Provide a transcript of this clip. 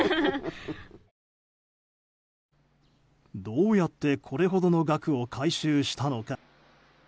どうやってこれほどの額を回収したのか。